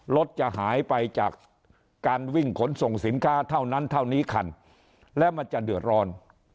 รถจะหายไปจากการวิ่งขนส่งสินค้าเท่านั้นเท่านี้คันแล้วมันจะเดือดร้อน